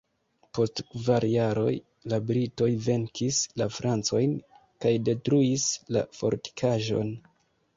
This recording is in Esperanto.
Post kvar jaroj, la britoj venkis la francojn kaj detruis la fortikaĵon.